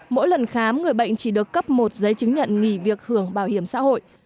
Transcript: mỗi lần khám người bệnh chỉ được cấp một giấy chứng nhận nghỉ việc hưởng bảo hiểm xã hội